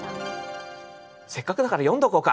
せっかくだから読んどこうか。